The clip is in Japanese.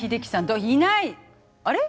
あれ？